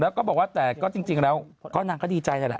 แล้วก็บอกว่าแต่ก็จริงแล้วนางก็ดีใจเลยล่ะ